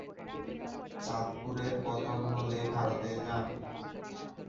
চাঁদপুরের পতন হলে ভারতে যান।